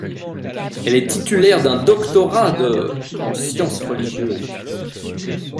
Elle est titulaire d'un doctorat de en sciences religieuses.